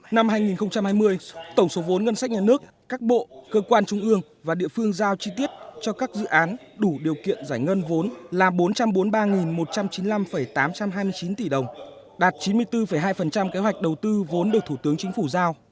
năm hai nghìn hai mươi tổng số vốn ngân sách nhà nước các bộ cơ quan trung ương và địa phương giao chi tiết cho các dự án đủ điều kiện giải ngân vốn là bốn trăm bốn mươi ba một trăm chín mươi năm tám trăm hai mươi chín tỷ đồng đạt chín mươi bốn hai kế hoạch đầu tư vốn được thủ tướng chính phủ giao